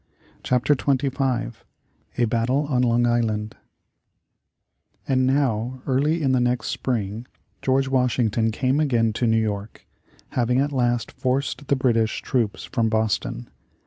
CHAPTER XXV A BATTLE on LONG ISLAND And now, early in the next spring, George Washington came again to New York, having at last forced the British troops from Boston.